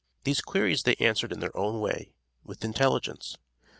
These queries they answered in their own way, with intelligence.